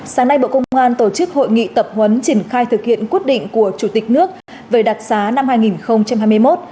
sáng nay bộ công an tổ chức hội nghị tập huấn triển khai thực hiện quyết định của chủ tịch nước về đặc xá năm hai nghìn hai mươi một